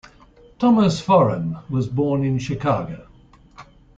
Thomas Foran was born in Chicago.